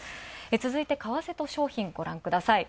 続いて為替と商品、ご覧ください。